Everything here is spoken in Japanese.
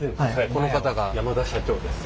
この方が山田社長です。